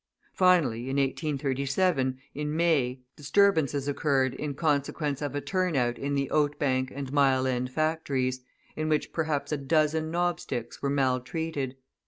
Finally, in 1837, in May, disturbances occurred in consequence of a turnout in the Oatbank and Mile End factories, in which perhaps a dozen knobsticks were maltreated.